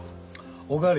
お代わり。